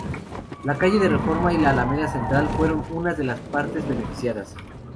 La calle de Reforma y la Alameda Central fueron unas de las partes beneficiadas.